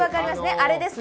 あれです。